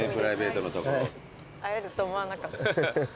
会えると思わなかった。